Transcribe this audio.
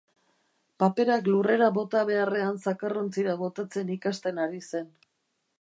Paperak lurrera bota beharrean zakarrontzira botatzen ikasten ari zen.